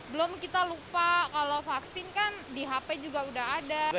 belum kita lupa kalau vaksin kan di hp juga udah ada